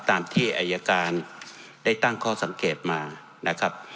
ตามที่อายการได้ตั้งข้อสังเกตมานะครับ